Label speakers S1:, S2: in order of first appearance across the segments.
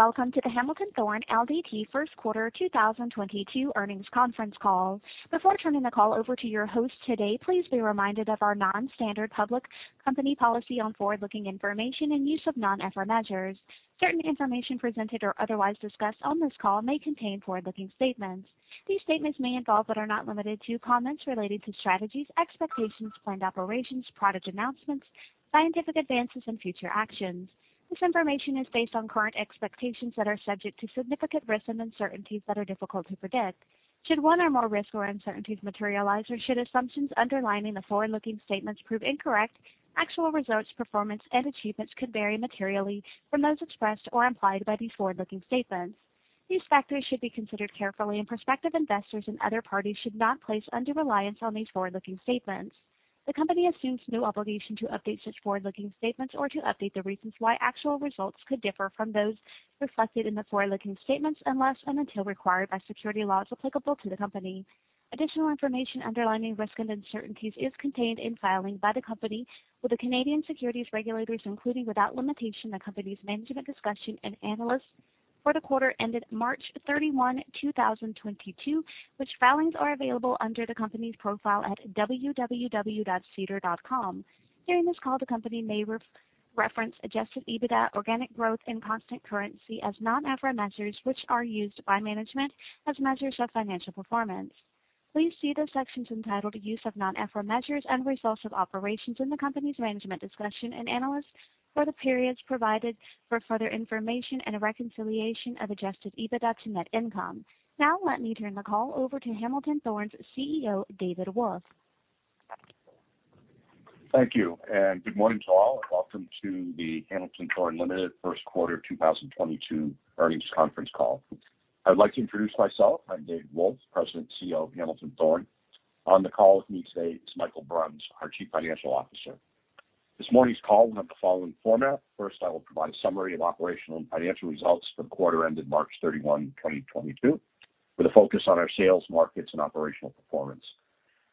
S1: Welcome to the Hamilton Thorne Ltd. first quarter 2022 earnings conference call. Before turning the call over to your host today, please be reminded of our non-standard public company policy on forward-looking information and use of non-IFRS measures. Certain information presented or otherwise discussed on this call may contain forward-looking statements. These statements may involve, but are not limited to, comments relating to strategies, expectations, planned operations, product announcements, scientific advances, and future actions. This information is based on current expectations that are subject to significant risks and uncertainties that are difficult to predict. Should one or more risks or uncertainties materialize or should assumptions underlying the forward-looking statements prove incorrect, actual results, performance, and achievements could vary materially from those expressed or implied by these forward-looking statements. These factors should be considered carefully, and prospective investors and other parties should not place undue reliance on these forward-looking statements. The company assumes no obligation to update such forward-looking statements or to update the reasons why actual results could differ from those reflected in the forward-looking statements unless and until required by securities laws applicable to the company. Additional information underlying risk and uncertainties is contained in filings by the company with the Canadian securities regulators, including, without limitation, the company's management discussion and analysis for the quarter ended March 31, 2022, which filings are available under the company's profile at www.sedarplus.ca. During this call, the company may reference adjusted EBITDA, organic growth, and constant currency as non-IFRS measures, which are used by management as measures of financial performance. Please see the sections entitled Use of Non-IFRS Measures and Results of Operations in the company's Management Discussion and Analysis for the periods provided for further information and a reconciliation of adjusted EBITDA to net income. Now let me turn the call over to Hamilton Thorne's CEO, David Wolf.
S2: Thank you, and good morning to all, and welcome to the Hamilton Thorne Limited first quarter 2022 earnings conference call. I'd like to introduce myself. I'm David Wolf, President and CEO of Hamilton Thorne. On the call with me today is Michael Bruns, our Chief Financial Officer. This morning's call will have the following format. First, I will provide a summary of operational and financial results for the quarter ended 31 March 2022, with a focus on our sales, markets, and operational performance.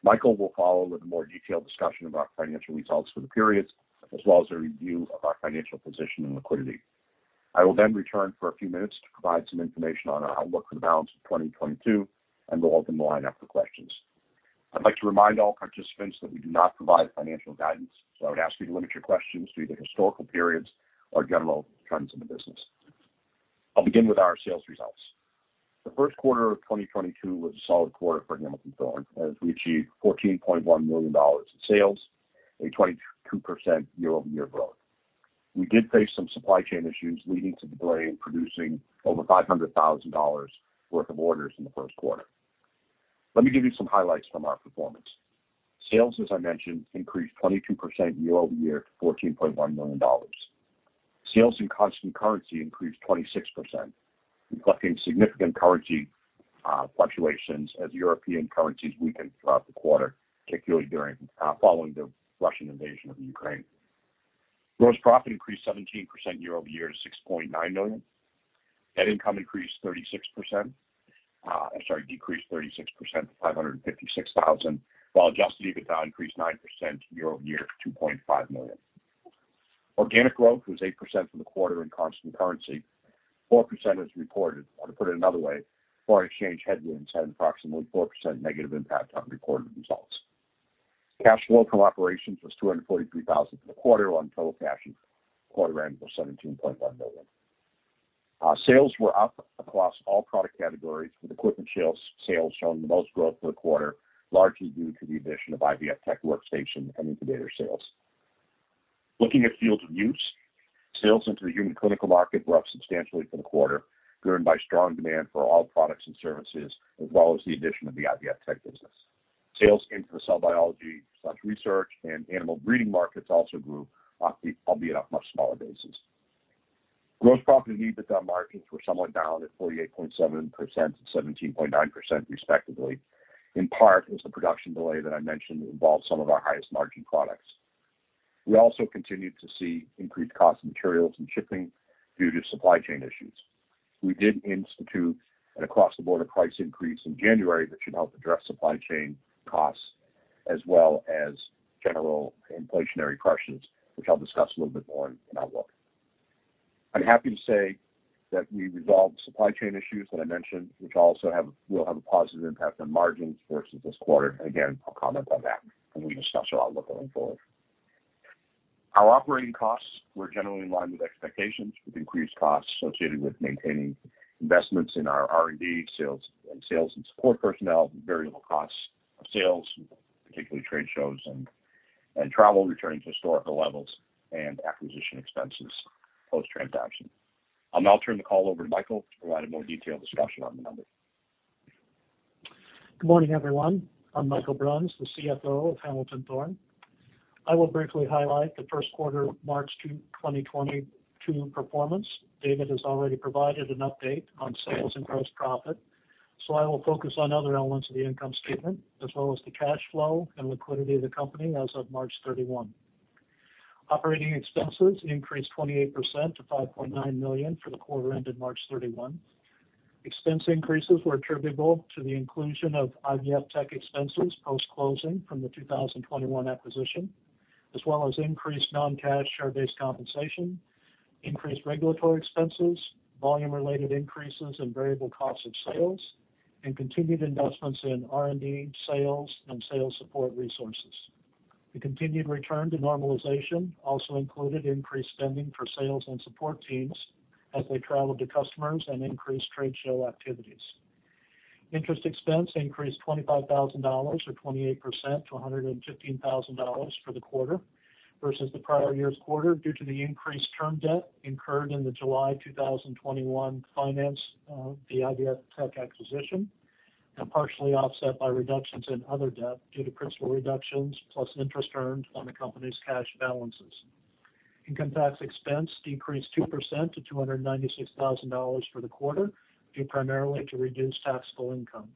S2: Michael will follow with a more detailed discussion of our financial results for the period, as well as a review of our financial position and liquidity. I will then return for a few minutes to provide some information on our outlook for the balance of 2022, and we'll open the line up for questions. I'd like to remind all participants that we do not provide financial guidance, so I would ask you to limit your questions to either historical periods or general trends in the business. I'll begin with our sales results. The first quarter of 2022 was a solid quarter for Hamilton Thorne as we achieved $14.1 million in sales, a 22% year-over-year growth. We did face some supply chain issues leading to delay in producing over $500,000 worth of orders in the first quarter. Let me give you some highlights from our performance. Sales, as I mentioned, increased 22% year-over-year to $14.1 million. Sales in constant currency increased 26%, reflecting significant currency fluctuations as European currencies weakened throughout the quarter, particularly following the Russian invasion of Ukraine. Gross profit increased 17% year-over-year to $6.9 million. Net income decreased 36% to $556 thousand, while adjusted EBITDA increased 9% year-over-year to $2.5 million. Organic growth was 8% for the quarter in constant currency, 4% as reported. To put it another way, foreign exchange headwinds had an approximately 4% negative impact on reported results. Cash flow from operations was $243 thousand for the quarter with total cash at quarter-end of $17.1 million. Sales were up across all product categories, with equipment sales showing the most growth for the quarter, largely due to the addition of IVFtech workstation and incubator sales. Looking at fields of use, sales into the human clinical market were up substantially for the quarter, driven by strong demand for all products and services as well as the addition of the IVFtech business. Sales into the cell biology/research and animal breeding markets also grew, albeit off much smaller bases. Gross profit and EBITDA margins were somewhat down at 48.7% and 17.9% respectively, in part with the production delay that I mentioned that involved some of our highest margin products. We also continued to see increased cost of materials and shipping due to supply chain issues. We did institute an across-the-board price increase in January that should help address supply chain costs as well as general inflationary pressures, which I'll discuss a little bit more in outlook. I'm happy to say that we resolved the supply chain issues that I mentioned, which also will have a positive impact on margins versus this quarter. Again, I'll comment on that when we discuss our outlook going forward. Our operating costs were generally in line with expectations, with increased costs associated with maintaining investments in our R&D, sales and support personnel, variable costs of sales, particularly trade shows and travel returning to historical levels, and acquisition expenses post-transaction. I'll now turn the call over to Michael to provide a more detailed discussion on the numbers.
S3: Good morning, everyone. I'm Michael Bruns, the CFO of Hamilton Thorne. I will briefly highlight the first quarter March 2, 2022 performance. David has already provided an update on sales and gross profit, so I will focus on other elements of the income statement as well as the cash flow and liquidity of the company as of March 31. Operating expenses increased 28% to 5.9 million for the quarter ended March 31. Expense increases were attributable to the inclusion of IVFtech expenses post-closing from the 2021 acquisition, as well as increased non-cash share-based compensation, increased regulatory expenses, volume-related increases in variable cost of sales, and continued investments in R&D, sales, and sales support resources. The continued return to normalization also included increased spending for sales and support teams as they traveled to customers and increased trade show activities. Interest expense increased $25,000 or 28% to $115,000 for the quarter versus the prior year's quarter due to the increased term debt incurred in the July 2021 financing of the IVFtech acquisition, and partially offset by reductions in other debt due to principal reductions plus interest earned on the company's cash balances. Income tax expense decreased 2% to $296,000 for the quarter, due primarily to reduced taxable income.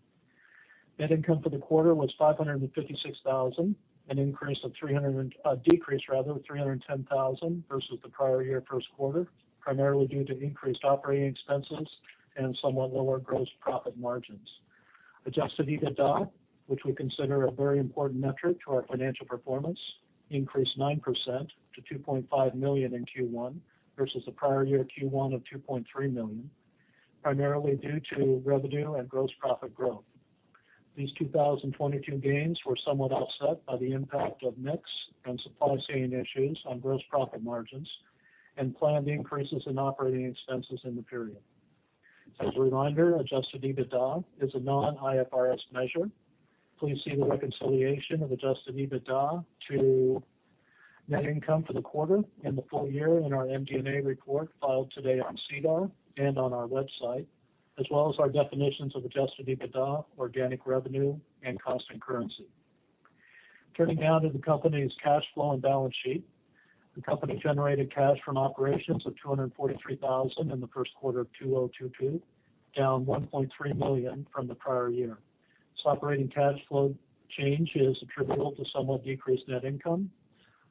S3: Net income for the quarter was $556,000, a decrease rather of $310,000 versus the prior year first quarter, primarily due to increased operating expenses and somewhat lower gross profit margins. Adjusted EBITDA, which we consider a very important metric to our financial performance, increased 9% to $2.5 million in Q1 versus the prior year Q1 of $2.3 million, primarily due to revenue and gross profit growth. These 2022 gains were somewhat offset by the impact of mix and supply chain issues on gross profit margins and planned increases in operating expenses in the period. As a reminder, adjusted EBITDA is a non-IFRS measure. Please see the reconciliation of adjusted EBITDA to net income for the quarter and the full year in our MD&A report filed today on SEDAR and on our website, as well as our definitions of adjusted EBITDA, organic revenue, and constant currency. Turning now to the company's cash flow and balance sheet. The company generated cash from operations of $243,000 in the first quarter of 2022, down $1.3 million from the prior year. This operating cash flow change is attributable to somewhat decreased net income,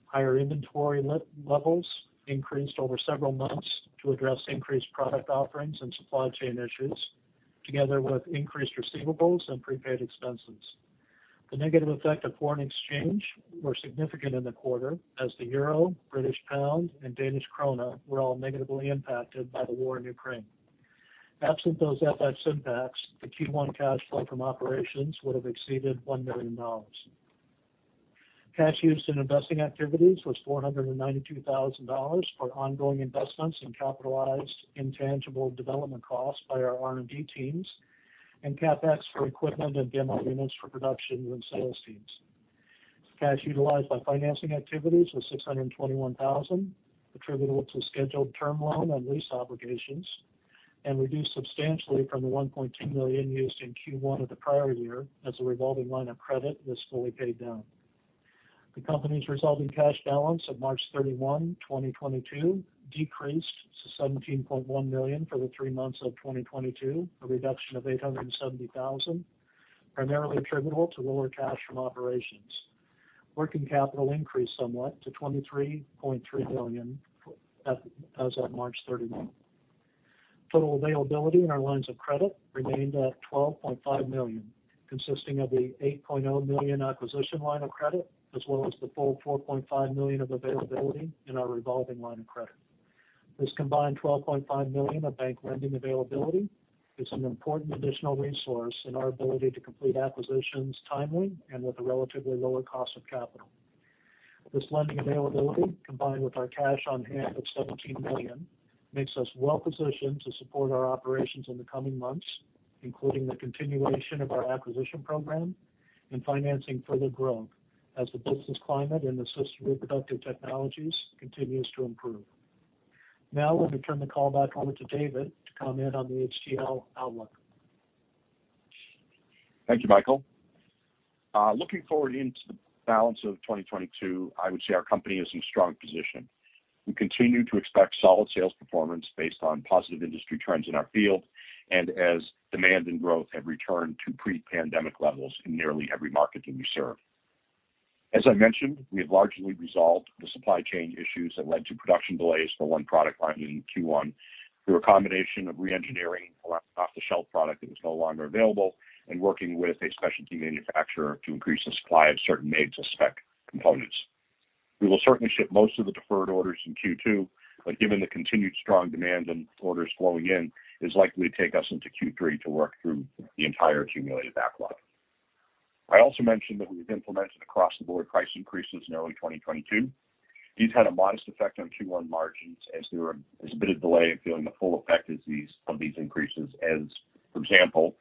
S3: higher inventory levels increased over several months to address increased product offerings and supply chain issues, together with increased receivables and prepaid expenses. The negative effect of foreign exchange were significant in the quarter as the euro, British pound, and Danish krone were all negatively impacted by the war in Ukraine. Absent those FX impacts, the Q1 cash flow from operations would have exceeded $1 million. Cash used in investing activities was $492,000 for ongoing investments in capitalized intangible development costs by our R&D teams and CapEx for equipment and demo units for production and sales teams. Cash utilized by financing activities was $621,000, attributable to scheduled term loan and lease obligations and reduced substantially from the $1.2 million used in Q1 of the prior year as the revolving line of credit was fully paid down. The company's resulting cash balance as of 31 March 2022, decreased to $17.1 million for the three months of 2022, a reduction of $870,000, primarily attributable to lower cash from operations. Working capital increased somewhat to $23.3 million as of March 31. Total availability in our lines of credit remained at 12.5 million, consisting of the 8.0 million acquisition line of credit, as well as the full 4.5 million of availability in our revolving line of credit. This combined 12.5 million of bank lending availability is an important additional resource in our ability to complete acquisitions timely and with a relatively lower cost of capital. This lending availability, combined with our cash on hand of 17 million, makes us well positioned to support our operations in the coming months, including the continuation of our acquisition program and financing further growth as the business climate in assisted reproductive technologies continues to improve. Now let me turn the call back over to David to comment on the HTL outlook.
S2: Thank you, Michael. Looking forward into the balance of 2022, I would say our company is in strong position. We continue to expect solid sales performance based on positive industry trends in our field and as demand and growth have returned to pre-pandemic levels in nearly every market that we serve. As I mentioned, we have largely resolved the supply chain issues that led to production delays for one product line in Q1 through a combination of reengineering off-the-shelf product that was no longer available and working with a specialty manufacturer to increase the supply of certain made-to-spec components. We will certainly ship most of the deferred orders in Q2, but given the continued strong demand and orders flowing in, it's likely to take us into Q3 to work through the entire accumulated backlog. I also mentioned that we've implemented across-the-board price increases in early 2022. These had a modest effect on Q1 margins as there's a bit of delay in feeling the full effect of these, of these increases as, for example,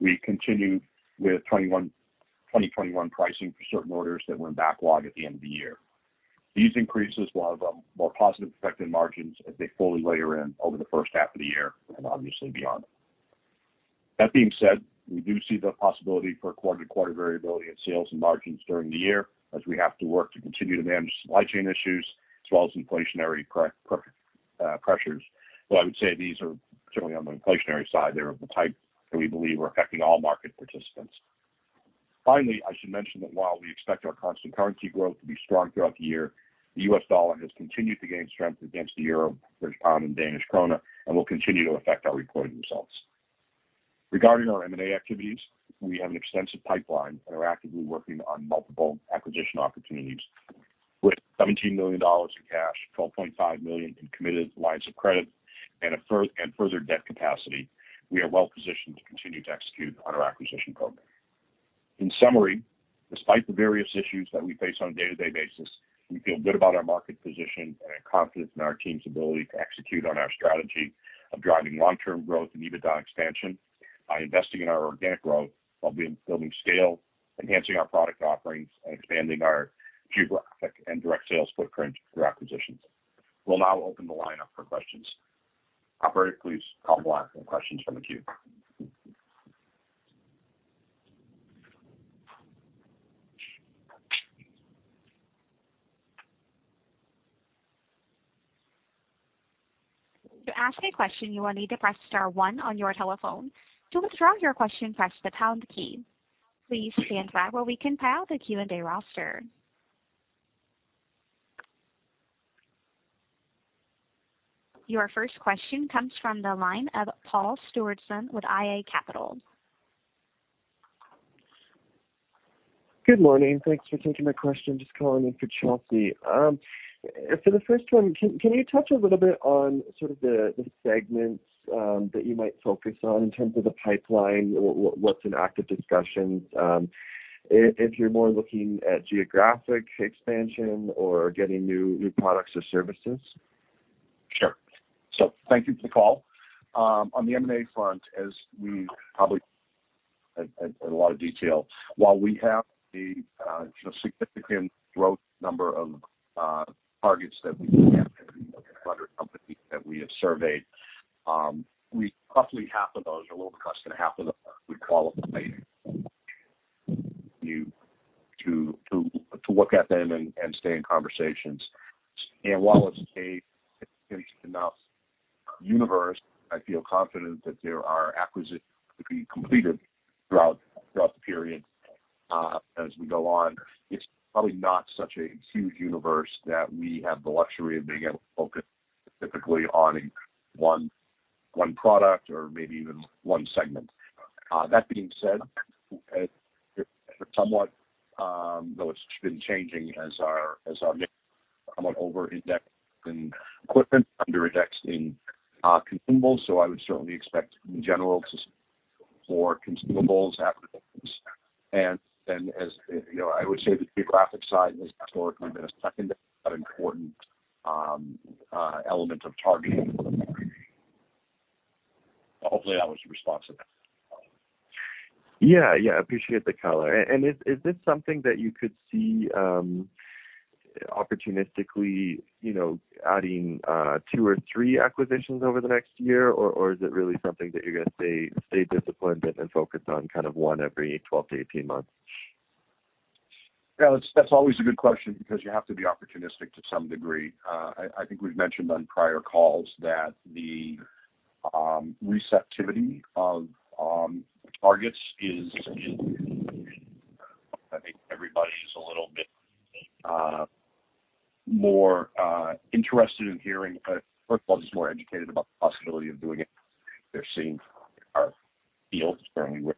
S2: we continued with 2021 pricing for certain orders that were in backlog at the end of the year. These increases will have a more positive effect in margins as they fully layer in over the first half of the year and obviously beyond. That being said, we do see the possibility for quarter-to-quarter variability in sales and margins during the year as we have to work to continue to manage supply chain issues as well as inflationary pressures. Though I would say these are certainly on the inflationary side, they are of the type that we believe are affecting all market participants. Finally, I should mention that while we expect our constant currency growth to be strong throughout the year, the US dollar has continued to gain strength against the euro, British pound, and Danish krone, and will continue to affect our reported results. Regarding our M&A activities, we have an extensive pipeline and are actively working on multiple acquisition opportunities. With $17 million in cash, $12.5 million in committed lines of credit, and further debt capacity, we are well positioned to continue to execute on our acquisition program. In summary, despite the various issues that we face on a day-to-day basis, we feel good about our market position and have confidence in our team's ability to execute on our strategy of driving long-term growth and EBITDA expansion by investing in our organic growth while building scale, enhancing our product offerings, and expanding our geographic and direct sales footprint through acquisitions. We'll now open the line up for questions. Operator, please call the line for questions from the queue.
S1: To ask a question, you will need to press star 1 on your telephone. To withdraw your question, press the pound key. Please stand by while we compile the Q&A roster. Your first question comes from the line of Paul Stewardson with iA Capital Markets.
S4: Good morning. Thanks for taking my question. Just calling in for Chelsea. For the first one, can you touch a little bit on sort of the segments that you might focus on in terms of the pipeline? What's in active discussions? If you're more looking at geographic expansion or getting new products or services?
S2: Sure. Thank you for the call. On the M&A front, as we probably went into in a lot of detail, while we have a significant number of growth targets that we have, 100 companies that we have surveyed, roughly half of those or a little less than half of them would qualify us to look at them and stay in conversations. While it's a significant enough universe, I feel confident that there are acquisitions to be completed throughout the period as we go on. It's probably not such a huge universe that we have the luxury of being able to focus specifically on one product or maybe even one segment. That being said, it's somewhat though it's been changing as our mix, somewhat over-indexed in equipment, under-indexed in consumables. I would certainly expect in general to see more consumables acquisitions. Then as I would say the geographic side has historically been a secondary but important element of targeting. Hopefully, that was responsive.
S4: Appreciate the color. Is this something that you could see opportunisticall adding two or three acquisitions over the next year? Or is it really something that you're gonna stay disciplined and focus on kind of one every 12-18 months?
S2: That's always a good question because you have to be opportunistic to some degree. I think we've mentioned on prior calls that the receptivity of targets is I think everybody's a little bit more interested in hearing first of all just more educated about the possibility of doing it. They're seeing our field growing with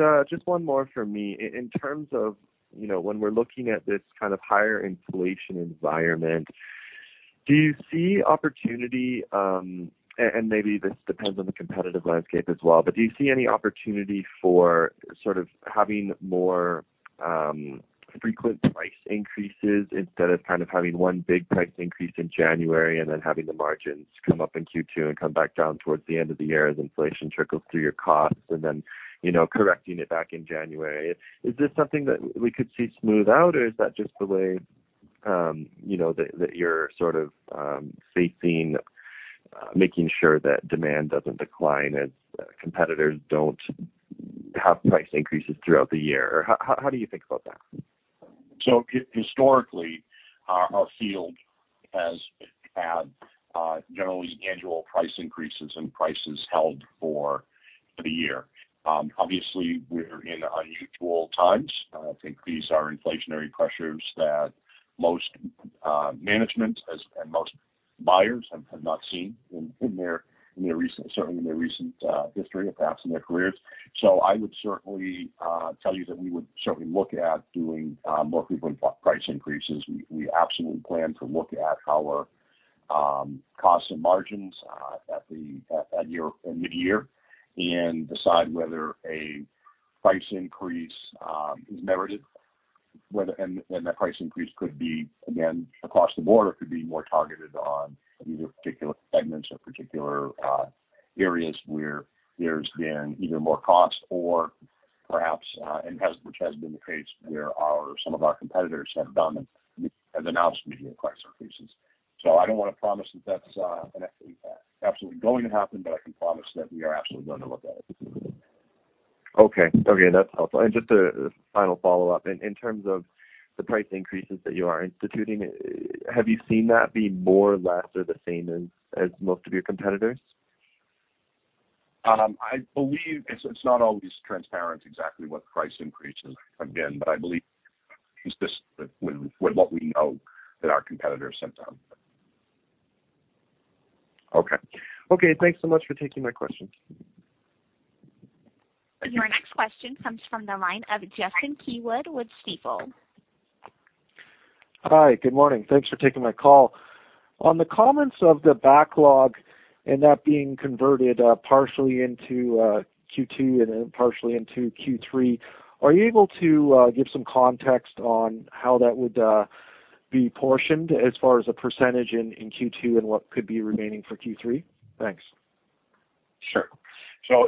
S2: we would continue to be disciplined, absolutely. Like I said, get too far out over our skis and do perhaps too much too. But I wouldn't necessarily say that the way we would do even 2, maybe even 3, particularly smaller acquisitions over that same 12-18.
S4: Okay. Okay, that's helpful. Just one more for me. In terms of when we're looking at this kind of higher inflation environment, do you see opportunity, and maybe this depends on the competitive landscape as well, but do you see any opportunity for sort of having more frequent price increases instead of kind of having one big price increase in January and then having the margins come up in Q2 and come back down towards the end of the year as inflation trickles through your costs and then correcting it back in January? Is this something that we could see smooth out, or is that just the way that you're sort of facing making sure that demand doesn't decline as competitors don't have price increases throughout the year? How do you think about that?
S2: Historically, our field has had generally annual price increases and prices held for the year. Obviously we're in unusual times. I think these are inflationary pressures that most management and most buyers have not seen in their recent history or perhaps in their careers. I would certainly tell you that we would certainly look at doing more frequent price increases. We absolutely plan to look at our costs and margins at mid-year and decide whether a price increase is merited. That price increase could be, again, across-the-board, could be more targeted on either particular segments or particular areas where there's been either more cost or perhaps, which has been the case where some of our competitors have done and announced medium price increases. I don't wanna promise that that's absolutely going to happen, but I can promise that we are absolutely going to look at it.
S4: Okay. Okay, that's helpful. Just a final follow-up. In terms of the price increases that you are instituting, have you seen that be more or less or the same as most of your competitors?
S2: I believe it's not always transparent exactly what price increases have been, but I believe consistent with what we know that our competitors have done.
S4: Okay. Okay, thanks so much for taking my questions.
S1: Your next question comes from the line of Justin Keywood with Stifel.
S5: Hi, good morning. Thanks for taking my call. On the comments of the backlog and that being converted, partially into Q2 and then partially into Q3, are you able to give some context on how that would be portioned as far as a percentage in Q2 and what could be remaining for Q3? Thanks.
S2: Sure.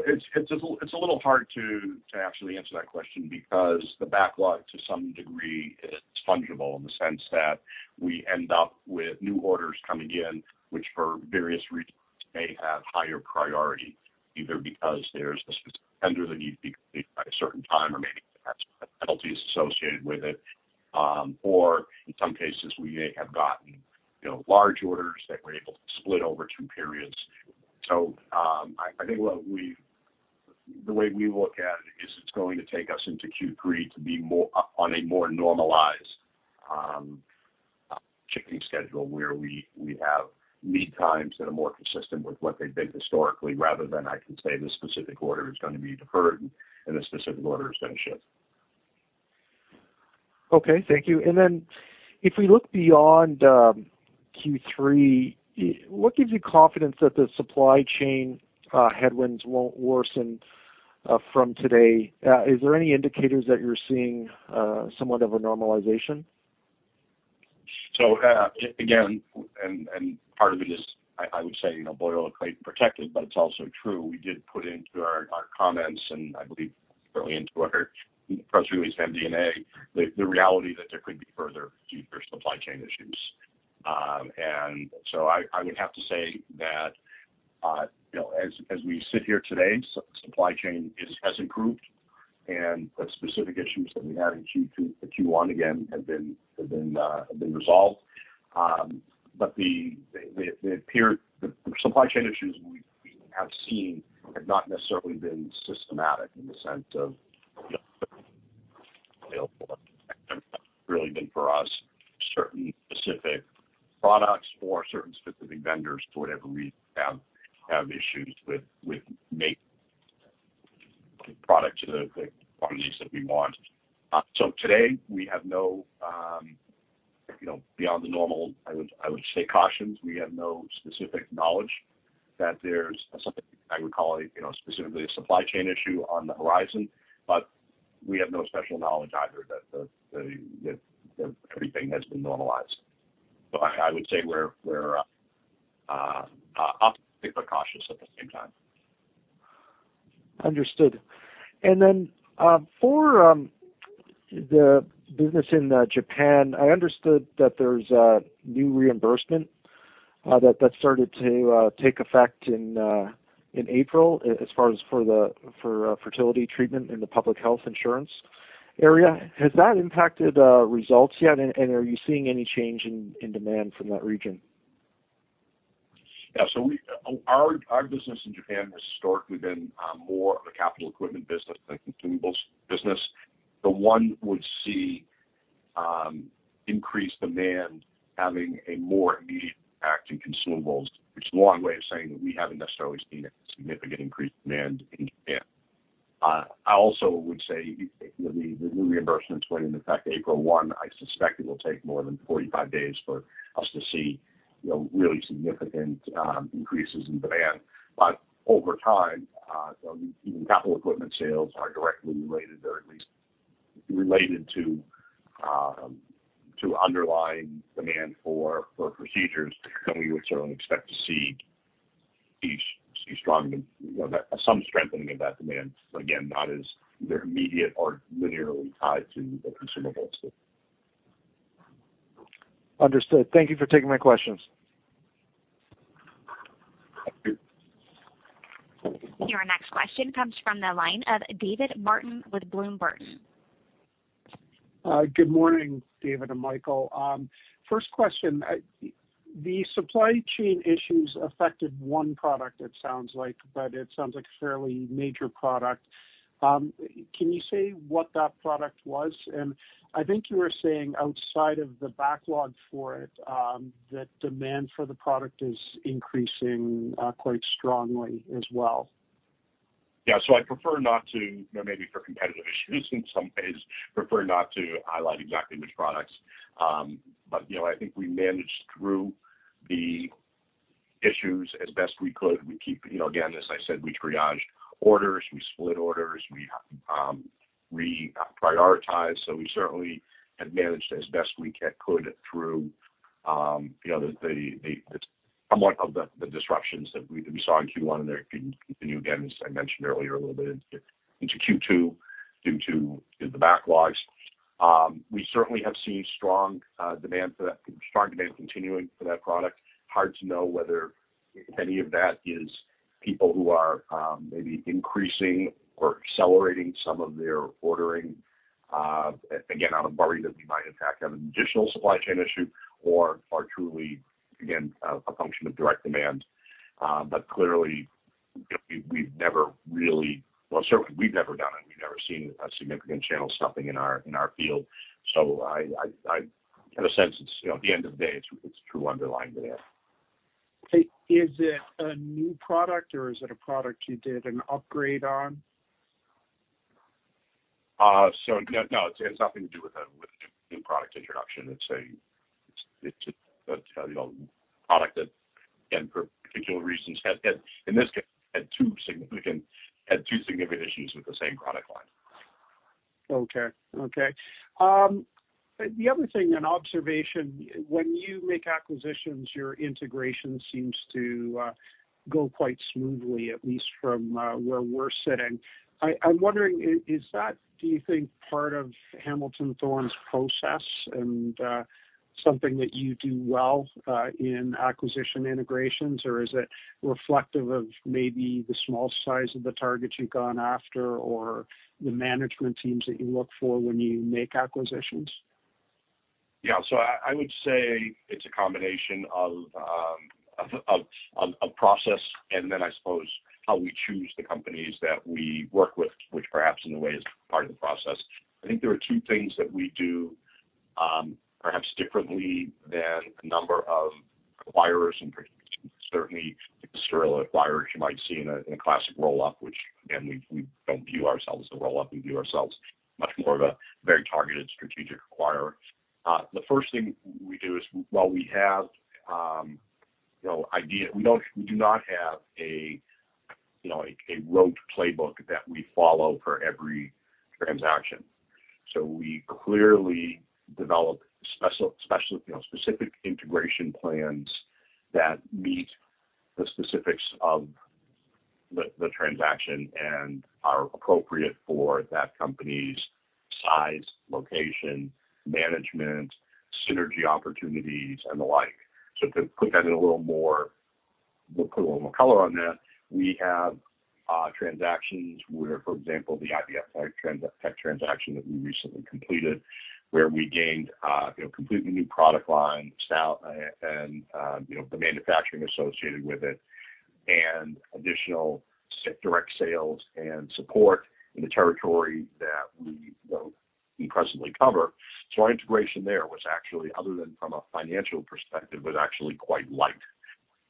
S2: It's a little hard to actually answer that question because the backlog to some degree is fungible in the sense that we end up with new orders coming in, which for various reasons may have higher priority, either because there's a specific order that needs to be completed by a certain time or may have penalties associated with it. Or in some cases, we may have gotten large orders that we're able to split over two periods. I think what we The way we look at it is it's going to take us into Q3 to be on a more normalized shipping schedule where we have lead times that are more consistent with what they've been historically rather than I can say this specific order is gonna be deferred and this specific order is gonna ship.
S5: Okay, thank you. If we look beyond Q3, what gives you confidence that the supply chain headwinds won't worsen from today? Is there any indicators that you're seeing somewhat of a normalization?
S2: Part of it is I would say boil the ocean and predict it, but it's also true. We did put into our comments, and I believe early into our press release MD&A, the reality that there could be further deeper supply chain issues. I would have to say that as we sit here today, supply chain has improved and the specific issues that we had in Q1, again, have been resolved. But the supply chain issues we have seen have not necessarily been systemic in the sense of, have all really been for us, certain specific products or certain specific vendors that we have issues with making products at the quantities that we want. Today we have no, beyond the normal, I would say, cautions. We have no specific knowledge that there's something I would call, specifically a supply chain issue on the horizon, but we have no special knowledge either that everything has been normalized. I would say we're optimistic, but cautious at the same time.
S5: Understood. For the business in Japan, I understood that there's a new reimbursement that started to take effect in April as far as for fertility treatment in the public health insurance area. Has that impacted results yet? Are you seeing any change in demand from that region?
S2: Our business in Japan has historically been more of a capital equipment business than consumables business. One would see increased demand having a more immediate impact in consumables, which is a long way of saying that we haven't necessarily seen a significant increase in demand in Japan. I also would say the new reimbursement went into effect April 1. I suspect it will take more than 45 days for us to see, really significant increases in demand. Over time even capital equipment sales are directly related or at least related to underlying demand for procedures. We would certainly expect to see some strengthening of that demand. Again, not as immediate or linearly tied to the consumables.
S5: Understood. Thank you for taking my questions.
S2: Thank you.
S1: Your next question comes from the line of David Martin with Bloomberg.
S6: Good morning, David and Michael. First question, the supply chain issues affected one product it sounds like, but it sounds like a fairly major product. Can you say what that product was? I think you were saying outside of the backlog for it, that demand for the product is increasing quite strongly as well.
S2: I prefer not to, maybe for competitive issues in some ways, prefer not to highlight exactly which products. I think we managed through the issues as best we could. We keep again, as I said, we triaged orders, we split orders, we re-prioritized. We certainly have managed as best we could through the sort of disruptions that we saw in Q1, and they continue, again, as I mentioned earlier a little bit into Q2, due to the backlogs. We certainly have seen strong demand for that, strong demand continuing for that product. Hard to know whether any of that is people who are maybe increasing or accelerating some of their ordering, again, out of worry that we might, in fact, have an additional supply chain issue or are truly, again, a function of direct demand. Clearly, well, certainly we've never done it. We've never seen a significant channel stuffing in our field. In a sense, it's at the end of the day, it's true underlying demand.
S6: Is it a new product or is it a product you did an upgrade on?
S2: No, it's nothing to do with a new product introduction. It's a product that again, for particular reasons had in this case two significant issues with the same product line.
S6: Okay. The other thing, an observation, when you make acquisitions, your integration seems to go quite smoothly, at least from where we're sitting. I'm wondering, is that, do you think, part of Hamilton Thorne's process and something that you do well in acquisition integrations, or is it reflective of maybe the small size of the targets you've gone after, or the management teams that you look for when you make acquisitions?
S2: I would say it's a combination of process and then I suppose how we choose the companies that we work with, which perhaps in a way is part of the process. I think there are two things that we do, perhaps differently than a number of acquirers, and certainly industrial acquirers you might see in a classic roll-up, which, again, we don't view ourselves as a roll-up. We view ourselves much more of a very targeted strategic acquirer. The first thing we do is while we have. We do not have a rote playbook that we follow for every transaction. We clearly develop special specific integration plans that meet the specifics of the transaction and are appropriate for that company's size, location, management, synergy opportunities and the like. To put a little more color on that, we have transactions where, for example, the IVFtech transaction that we recently completed, where we gained completely new product lines, sales and the manufacturing associated with it and additional direct sales and support in the territory that we presently cover. Our integration there was actually, other than from a financial perspective, quite light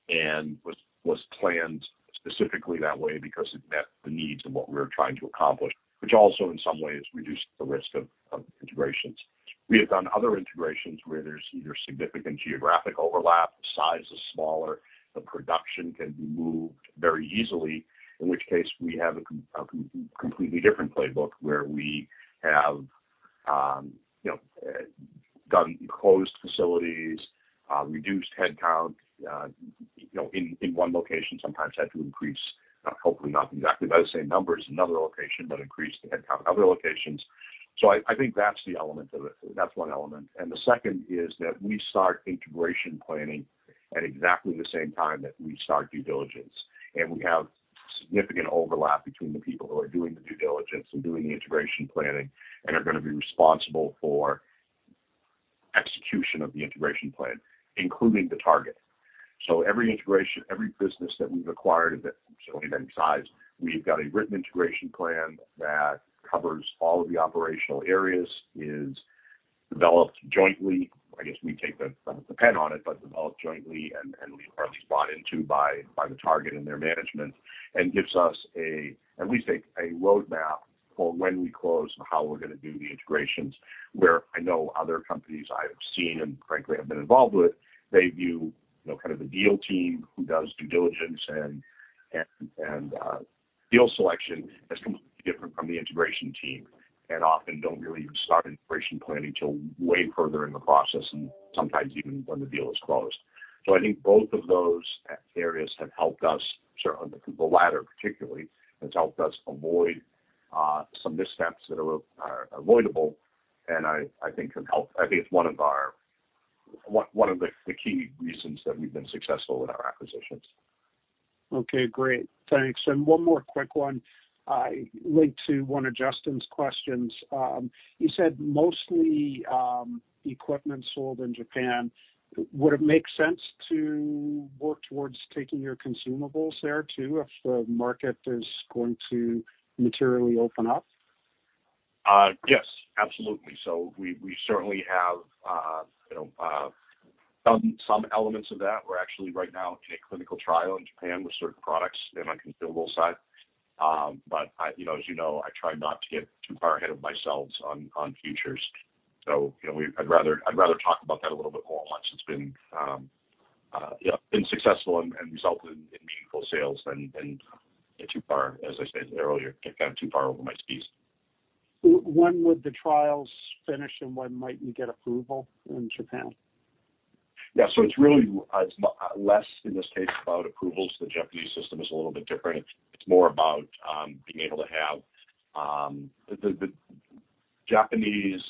S2: and was planned specifically that way because it met the needs of what we're trying to accomplish, which also in some ways reduced the risk of integrations. We have done other integrations where there's either significant geographic overlap, the size is smaller, the production can be moved very easily, in which case we have a completely different playbook where we have done closed facilities, reduced headcount in one location, sometimes had to increase, hopefully not exactly by the same numbers, another location, but increased the headcount in other locations. I think that's the element of it. That's one element. The second is that we start integration planning at exactly the same time that we start due diligence. We have significant overlap between the people who are doing the due diligence and doing the integration planning, and are gonna be responsible for execution of the integration plan, including the target. Every integration, every business that we've acquired of any, certainly any size, we've got a written integration plan that covers all of the operational areas, is developed jointly. I guess we take the pen on it, but developed jointly and we are at least bought into by the target and their management, and gives us at least a roadmap for when we close and how we're gonna do the integrations. Where I know other companies I've seen and frankly have been involved with, they view kind of the deal team who does due diligence and deal selection as completely different from the integration team, and often don't really even start integration planning till way further in the process and sometimes even when the deal is closed. I think both of those areas have helped us, certainly the latter particularly, has helped us avoid some missteps that are avoidable and I think can help. I think it's one of the key reasons that we've been successful with our acquisitions.
S6: Okay, great. Thanks. One more quick one. I linked to one of Justin's questions. You said mostly equipment sold in Japan. Would it make sense to work towards taking your consumables there too, if the market is going to materially open up?
S2: Yes, absolutely. We certainly have some elements of that. We're actually right now in a clinical trial in Japan with certain products on the consumables side. But I as, I try not to get too far ahead of myself on futures. I'd rather talk about that a little bit more once it's been successful and resulted in meaningful sales than get too far, as I stated earlier, get kind of too far over my skis.
S6: When would the trials finish and when might you get approval in Japan?
S2: It's really less in this case about approvals. The Japanese system is a little bit different. It's more about being able to have the Japanese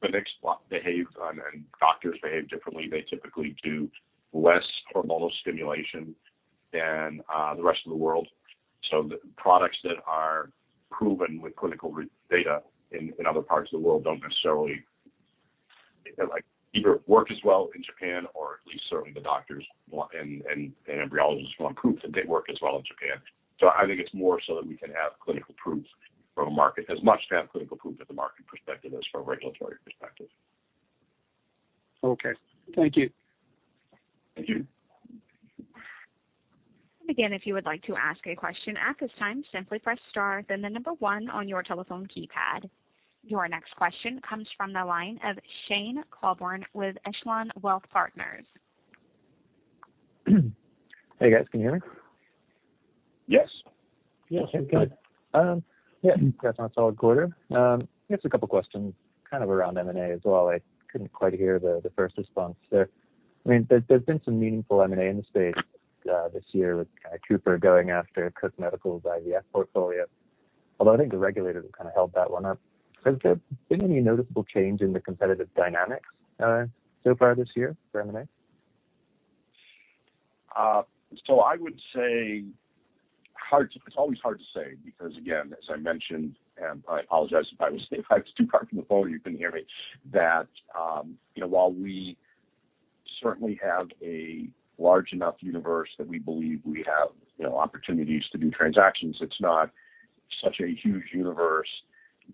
S2: clinics, well, behave, and doctors behave differently. They typically do less hormonal stimulation than the rest of the world. The products that are proven with clinical data in other parts of the world don't necessarily, like, either work as well in Japan or at least certainly the doctors and embryologists want proof that they work as well in Japan. I think it's more so that we can have clinical proof from a market as much to have clinical proof of the market perspective as from a regulatory perspective.
S6: Okay. Thank you.
S2: Thank you.
S1: Again, if you would like to ask a question at this time, simply press star, then the number one on your telephone keypad. Your next question comes from the line of Stefan Engel with Echelon Wealth Partners.
S7: Hey, guys. Can you hear me?
S2: Yes.
S3: Yes. You're good.
S7: Congrats on a solid quarter. I guess a couple questions kind of around M&A as well. I couldn't quite hear the first response there. I mean, there's been some meaningful M&A in the space this year with kind of Cooper going after Cook Medical's IVF portfolio, although I think the regulators have kind of held that one up. Has there been any noticeable change in the competitive dynamics so far this year for M&A?
S2: It's always hard to say because again, as I mentioned, and I apologize if I was too far from the phone, you couldn't hear me, that while we certainly have a large enough universe that we believe we have opportunities to do transactions, it's not such a huge universe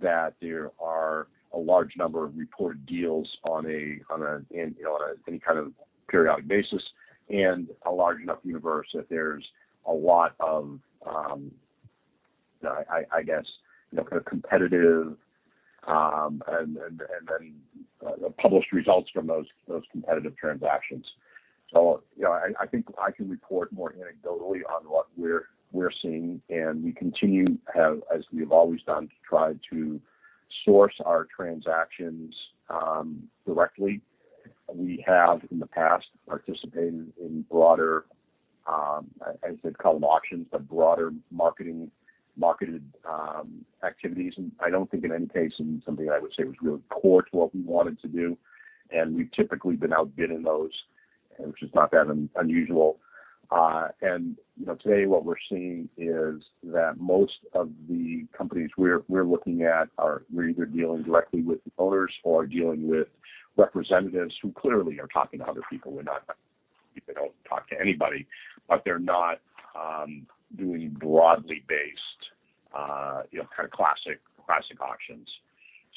S2: that there are a large number of reported deals on any kind of periodic basis and a large enough universe that there's a lot of I guess kind of competitive and then published results from those competitive transactions. I think I can report more anecdotally on what we're seeing, and we continue, as we've always done, to try to source our transactions directly. We have in the past participated in broader, as they're called, auctions, but broader marketing activities. I don't think, in any case, it's something I would say was really core to what we wanted to do, and we've typically been outbidding those, which is not that unusual. Today what we're seeing is that most of the companies we're looking at are either dealing directly with the owners or dealing with representatives who clearly are talking to other people. We're not like they don't talk to anybody, but they're not doing broadly based kind of classic auctions.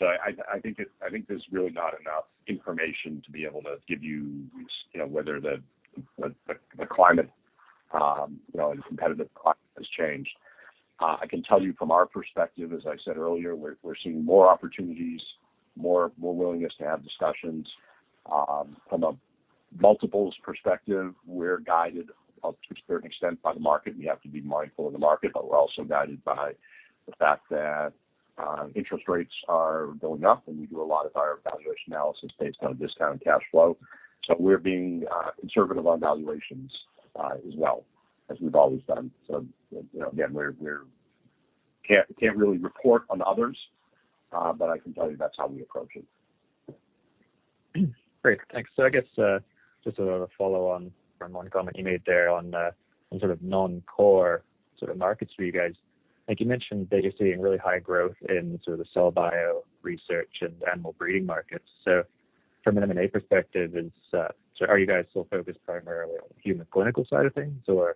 S2: I think there's really not enough information to be able to give whether the climate and competitive climate has changed. I can tell you from our perspective, as I said earlier, we're seeing more opportunities, more willingness to have discussions. From a multiples perspective, we're guided to a certain extent by the market, and we have to be mindful of the market, but we're also guided by the fact that interest rates are going up, and we do a lot of our valuation analysis based on discounted cash flow. We're being conservative on valuations, as well as we've always done. Again, we can't really report on others, but I can tell you that's how we approach it.
S7: Great. Thanks. I guess just a follow on from one comment you made there on sort of non-core sort of markets for you guys. I think you mentioned that you're seeing really high growth in sort of the cell bio research and animal breeding markets. From an M&A perspective, are you guys still focused primarily on the human clinical side of things, or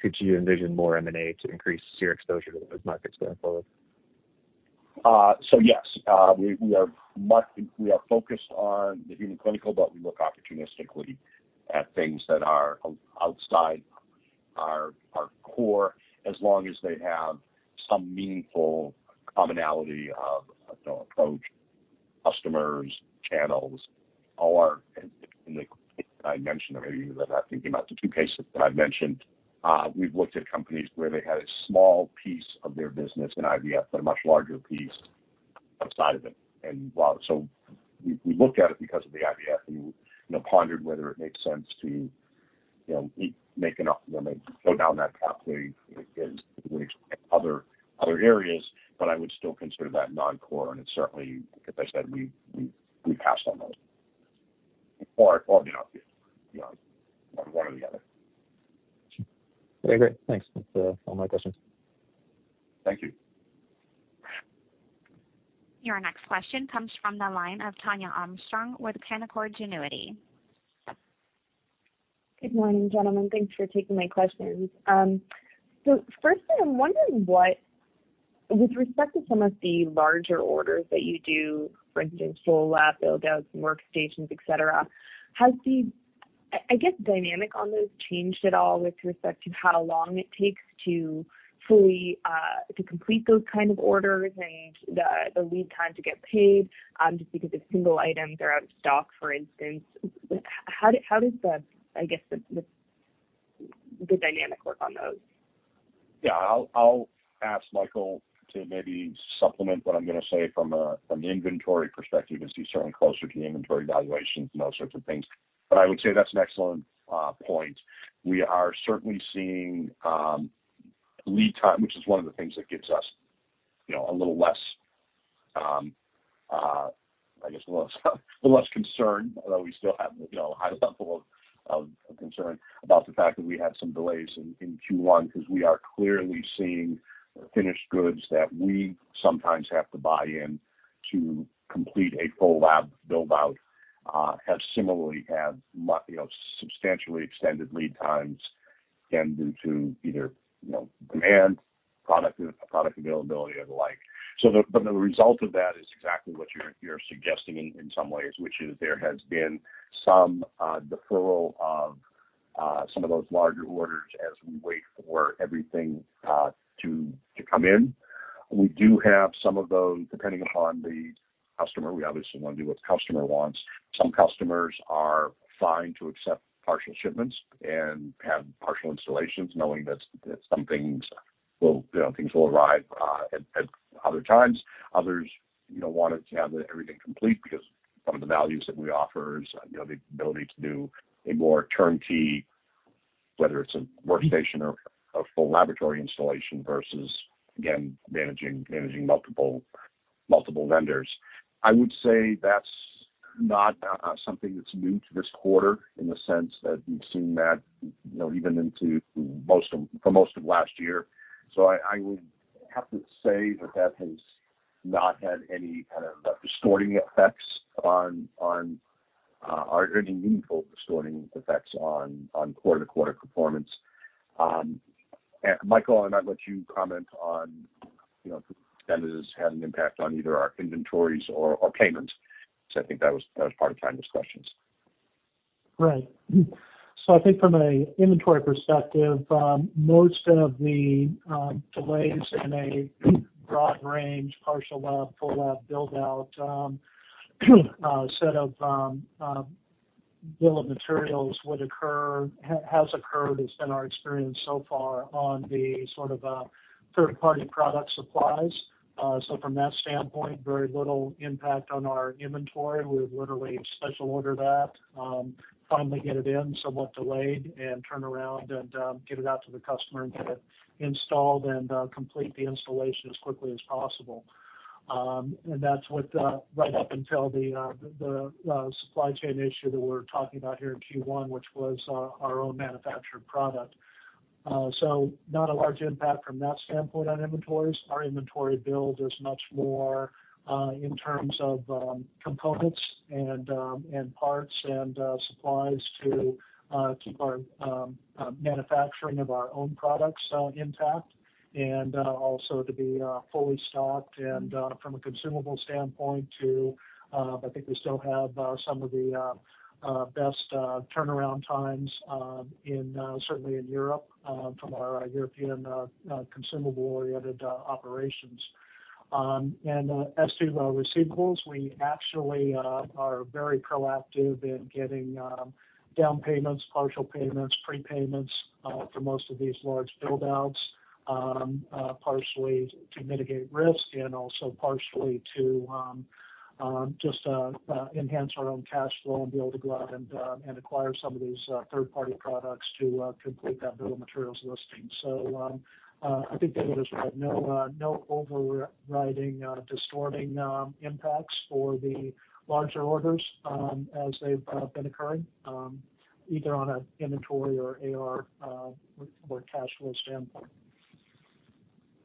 S7: could you envision more M&A to increase your exposure to those markets going forward?
S2: Yes, we are focused on the human clinical, but we look opportunistically at things that are outside our core as long as they have some meaningful commonality of approach, customers, channels or, and in the case I mentioned earlier that I think about the two cases that I've mentioned, we've looked at companies where they had a small piece of their business in IVF, and a much larger piece outside of it. We looked at it because of the IVF and pondered whether it makes sense to go down that pathway in which other areas, but I would still consider that non-core. It's certainly, as I said, we passed on those. Or, one or the other. Okay, great. Thanks. That's all my questions. Thank you.
S1: Your next question comes from the line of Tania Armstrong with Canaccord Genuity.
S8: Good morning, gentlemen. Thanks for taking my questions. Firstly, I'm wondering what with respect to some of the larger orders that you do, for instance, full lab build-outs and workstations, et cetera, has the, I guess, dynamic on those changed at all with respect to how long it takes to fully complete those kind of orders and the lead time to get paid, just because if single items are out of stock, for instance? How does the, I guess the dynamic work on those?
S2: I'll ask Michael to maybe supplement what I'm gonna say from the inventory perspective as he's certainly closer to the inventory valuations and those sorts of things. I would say that's an excellent point. We are certainly seeing lead time, which is one of the things that gives us a little less concern, although we still have, a high level of concern about the fact that we had some delays in Q1 because we are clearly seeing finished goods that we sometimes have to buy in to complete a full lab build-out have similarly had substantially extended lead times, again, due to either, demand, product availability or the like. The result of that is exactly what you're suggesting in some ways, which is there has been some deferral of some of those larger orders as we wait for everything to come in. We do have some of those, depending upon the customer. We obviously wanna do what the customer wants. Some customers are fine to accept partial shipments and have partial installations, knowing that some things will, arrive at other times. Others, wanted to have everything complete because one of the values that we offer is the ability to do a more turnkey, whether it's a workstation or a full laboratory installation versus, again, managing multiple vendors. I would say that's not something that's new to this quarter in the sense that we've seen that even into most of, for most of last year. I would have to say that that has not had any kind of distorting effects on or any meaningful distorting effects on quarter-to-quarter performance. Michael, and I'll let you comment on if that has had an impact on either our inventories or payments. I think that was part of Tanya's questions.
S3: I think from an inventory perspective, most of the delays in a broad range, partial lab, full lab build-out, set of bill of materials has occurred. It's been our experience so far on the sort of third-party product supplies. From that standpoint, very little impact on our inventory. We literally special order that, finally get it in somewhat delayed and turn around and get it out to the customer and get it installed and complete the installation as quickly as possible. That's what right up until the supply chain issue that we're talking about here in Q1, which was our own manufactured product. Not a large impact from that standpoint on inventories. Our inventory build is much more in terms of components and parts and supplies to keep our manufacturing of our own products intact and also to be fully stocked and from a consumable standpoint to I think we still have some of the best turnaround times in certainly in Europe from our European consumable-oriented operations. As to the receivables, we actually are very proactive in getting down payments, partial payments, prepayments for most of these large build-outs partially to mitigate risk and also partially to just enhance our own cash flow and be able to go out and acquire some of these third-party products to complete that bill of materials listing. I think David is right. No overriding distorting impacts for the larger orders, as they've been occurring, either on an inventory or AR or cash flow standpoint.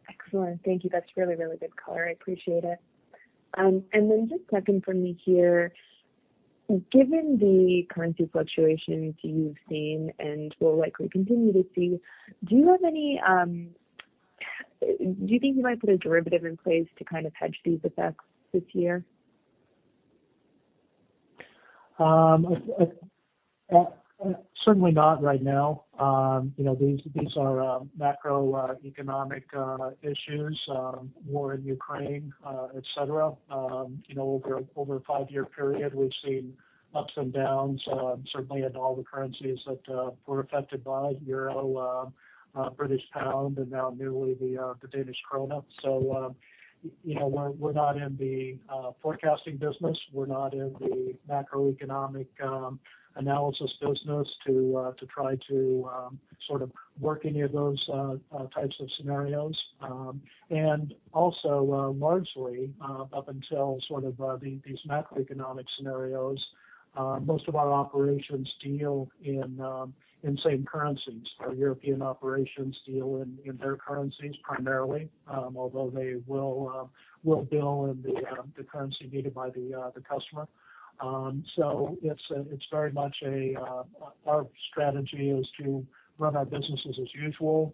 S8: Excellent. Thank you. That's really, really good color. I appreciate it. Just second for me here, given the currency fluctuations you've seen and will likely continue to see, do you think you might put a derivative in place to kind of hedge these effects this year?
S3: Certainly not right now. These are macroeconomic issues, war in Ukraine, et cetera. Over a five-year period, we've seen ups and downs, certainly in all the currencies that we're affected by, euro, British pound, and now newly the Danish krone. We're not in the forecasting business. We're not in the macroeconomic analysis business to try to sort of work any of those types of scenarios. Also, largely, up until sort of these macroeconomic scenarios, most of our operations deal in same currencies. Our European operations deal in their currencies primarily, although they will bill in the currency needed by the customer. It's very much our strategy is to run our businesses as usual,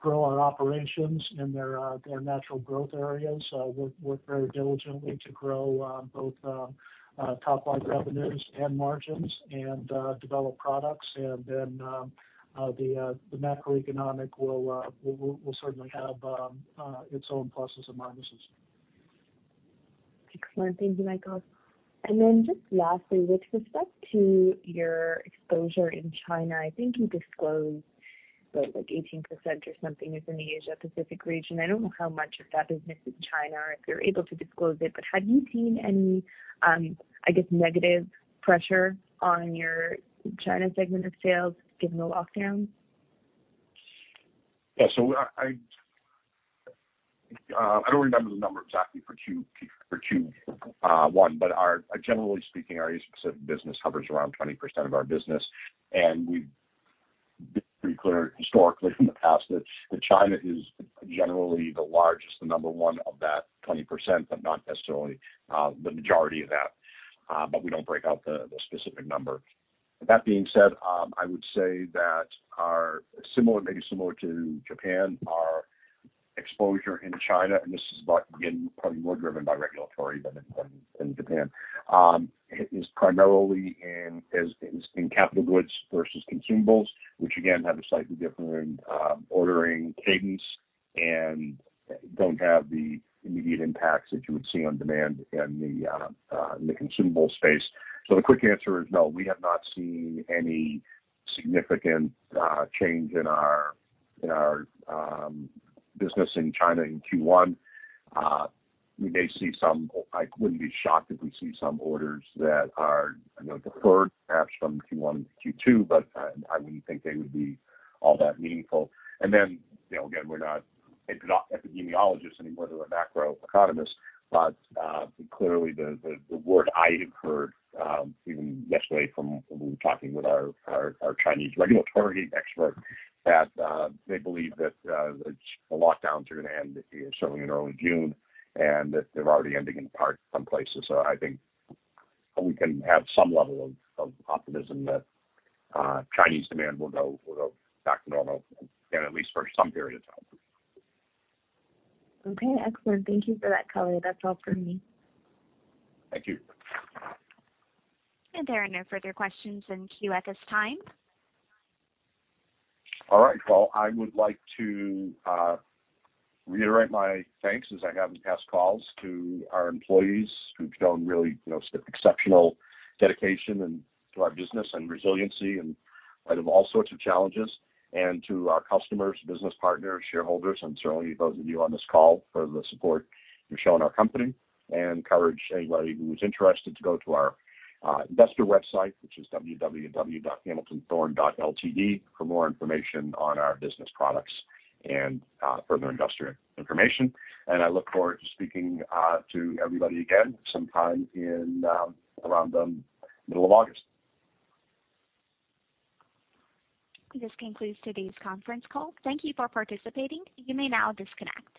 S3: grow our operations in their natural growth areas, work very diligently to grow both top line revenues and margins and develop products. The macroeconomic will certainly have its own pluses and minuses.
S8: Excellent. Thank you, Michael Bruns. Just lastly, with respect to your exposure in China, I think you disclosed that, like, 18% or something is in the Asia Pacific region. I don't know how much of that business is China, if you're able to disclose it, but have you seen any, I guess, negative pressure on your China segment of sales given the lockdown?
S2: I don't remember the number exactly for Q1, but generally speaking, our Asia-Pacific business hovers around 20% of our business. We've been pretty clear historically in the past that China is generally the largest, the number one of that 20%, but not necessarily the majority of that. But we don't break out the specific number. That being said, I would say that maybe similar to Japan, our exposure in China, and this is, again, probably more driven by regulatory than in Japan, is primarily in capital goods versus consumables, which again have a slightly different ordering cadence and don't have the immediate impacts that you would see on demand in the consumables space. The quick answer is no, we have not seen any significant change in our business in China in Q1. We may see some. I wouldn't be shocked if we see some orders that are deferred perhaps from Q1 to Q2, but I wouldn't think they would be all that meaningful. Then again, we're not epidemiologists anymore than we're macroeconomists. But clearly the word I have heard even yesterday from talking with our Chinese regulatory expert that they believe that the lockdowns are gonna end certainly in early June, and that they're already ending in part some places. I think we can have some level of optimism that Chinese demand will go back to normal again, at least for some period of time.
S8: Okay, excellent. Thank you for that caller. That's all for me.
S2: Thank you.
S1: There are no further questions in queue at this time.
S2: All right. Well, I would like to reiterate my thanks as I have in past calls to our employees who've shown really exceptional dedication and to our business and resiliency in light of all sorts of challenges, and to our customers, business partners, shareholders, and certainly those of you on this call for the support you show in our company. Encourage anybody who is interested to go to our investor website, which is www.hamiltonthorne.com for more information on our business products and further investor information. I look forward to speaking to everybody again sometime in around the middle of August.
S1: This concludes today's conference call. Thank you for participating. You may now disconnect.